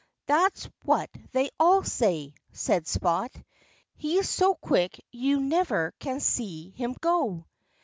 "That's what they all say," said Spot. "He's so quick you never can see him go."